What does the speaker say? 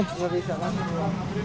nggak bisa masih dulu